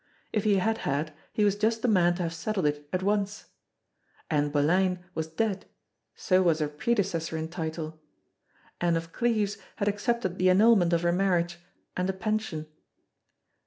If he had had he was just the man to have settled it at once. Anne Boleyn was dead, so was her predecessor in title. Anne of Cleves had accepted the annulment of her marriage and a pension.